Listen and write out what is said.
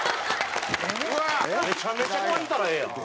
めちゃめちゃ買ったらええやん。